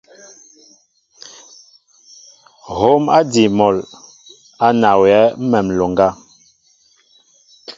Hǒm ádí mol á nawyɛέ ḿmem nloŋga.